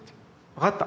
「分かった。